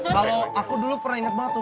kalau aku dulu pernah inget banget tuh